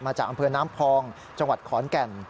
จากอำเภอน้ำพองจังหวัดขอนแก่น